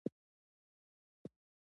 واوره نوم او کړنه دواړه دي.